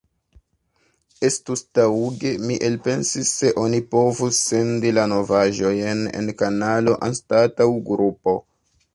Estus taŭge, mi elpensis, se oni povus sendi la novaĵojn en kanalo anstataŭ grupo.